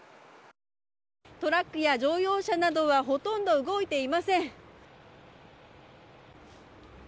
トラックや乗用車などはほとんど動いていません。